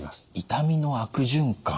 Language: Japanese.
痛みの悪循環。